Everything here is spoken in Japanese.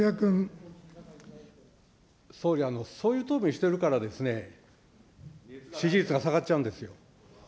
総理、そういう答弁してるからですね、支持率が下がっちゃうんですよ。